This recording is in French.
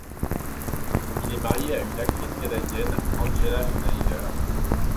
Il est marié à une actrice canadienne, Angela Schneider.